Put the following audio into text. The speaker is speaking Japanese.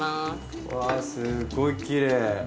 うわすごいきれい。